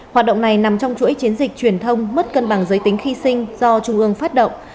hoạt động này nằm trong chuỗi chiến dịch truyền thông mất cân bằng giới tính khi sinh do trung ương phát động